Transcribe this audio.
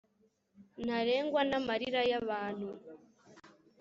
ntarengwa n'amarira y'abantu!